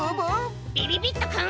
びびびっとくん。